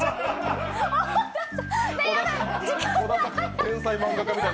天才漫画家みたい。